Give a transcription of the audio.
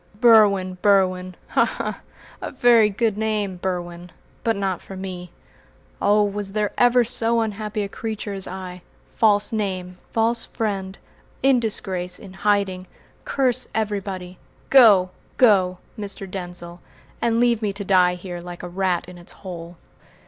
"Berwin! Berwin! Ha! ha! A very good name, Berwin, but not for me. Oh, was there ever so unhappy a creature as I? False name, false friend, in disgrace, in hiding! Curse everybody! Go! go! Mr. Denzil, and leave me to die here like a rat in its hole!"